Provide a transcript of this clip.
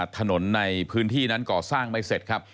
ถนนในพื้นที่นั้นก่อสร้างไม่เสร็จครับ